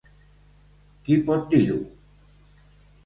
Qui pot dir-ho?